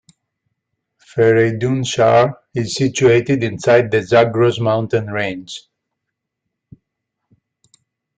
Fereydunshahr is situated inside the Zagros mountain range.